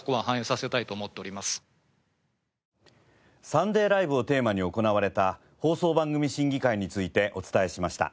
『サンデーＬＩＶＥ！！』をテーマに行われた放送番組審議会についてお伝えしました。